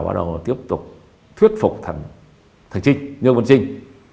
bắt đầu tiếp tục thuyết phục thằng trinh lương văn trinh